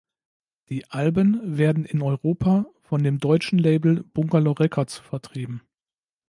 Die Alben werden in Europa von dem deutschen Label Bungalow Records vertrieben.